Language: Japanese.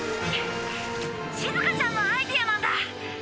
しずかちゃんのアイデアなんだ。